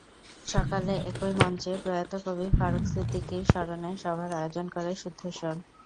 সকালে একই মঞ্চে প্রয়াত কবি ফারুক সিদ্দিকীর স্মরণে সভার আয়োজন করে শুদ্ধস্বর।